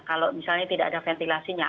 kalau misalnya tidak ada ventilasinya